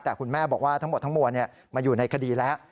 แต่คุณแม่บอกว่าทั้งหมดทั้งมวลมาอยู่ในคดีแล้ว